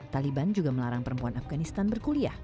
taliban juga melarang perempuan afganistan berkuliah